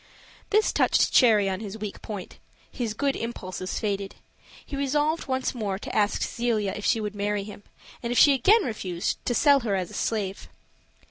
This touched Cherry on his weak point his good impulses faded; he resolved once more to ask Zelia if she would marry him, and if she again refused, to sell her as a slave.